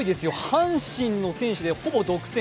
阪神の選手でほぼ独占。